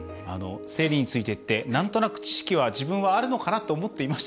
生理についてってなんとなく知識は自分はあるのかなって思っていましたけど